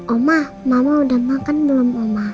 oma mama udah makan belum